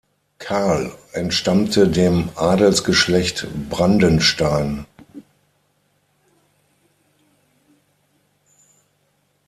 Karl entstammte dem Adelsgeschlecht Brandenstein.